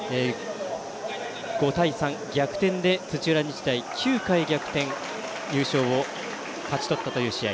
５対３、逆転で土浦日大９回逆転優勝を勝ち取ったという試合。